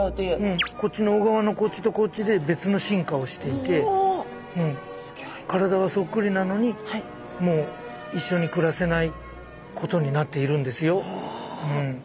こっちの小川のこっちとこっちで別の進化をしていて体はそっくりなのにもう一緒に暮らせないことになっているんですようん。